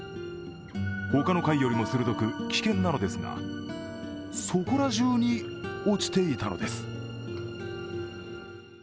他の貝よりも鋭く危険なのですがそこらじゅうに落ちていたのです。